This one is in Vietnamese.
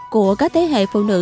của các thế hệ phụ nữ